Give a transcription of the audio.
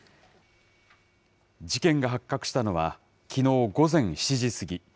事件が発覚したのは、きのう午前７時過ぎ。